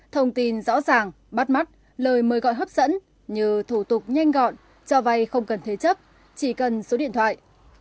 thông tin rõ ràng bắt mắt lời mời gọi hấp dẫn như thủ tục nhanh gọn cho vay không cần thế chấp chỉ cần số điện thoại